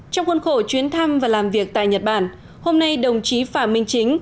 trong khuôn khổ chuyến thăm và làm việc tại nhật bản hôm nay đồng chí phạm minh chính